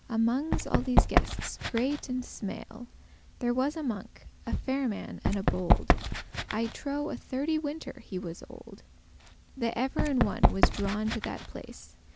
Amonges all these guestes great and smale, There was a monk, a fair man and a bold, I trow a thirty winter he was old, That ever in one* was drawing to that place.